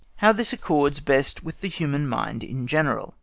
HOW THIS ACCORDS BEST WITH THE HUMAN MIND IN GENERAL.